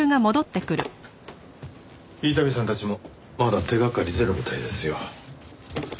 伊丹さんたちもまだ手掛かりゼロみたいですよ。